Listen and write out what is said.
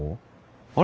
あれ？